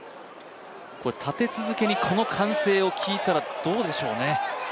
立て続けにこの歓声を聞いたらどうでしょうね？